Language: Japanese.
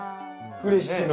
フレッシュな。